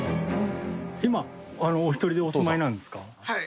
今お一人でお住まいなんですか？